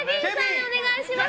お願いします。